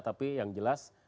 tapi yang jelas